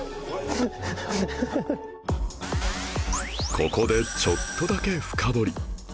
ここでちょっとだけ深掘り